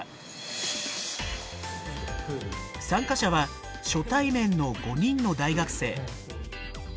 参加者は初対面の５人の大学生。